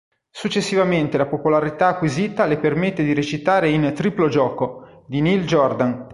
Successivamente la popolarità acquisita le permette di recitare in "Triplo gioco" di Neil Jordan.